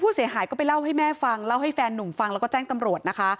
ผู้เสียหายก็ไปเล่าให้แม่ฟังเล่าให้แฟนนุ่มฟังแล้วก็แจ้งตำรวจนะคะ